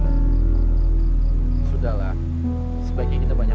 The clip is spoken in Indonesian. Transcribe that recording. polas bretjima diam diam